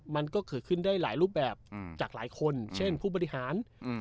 มันก็เกิดขึ้นได้หลายรูปแบบอืมจากหลายคนเช่นผู้บริหาร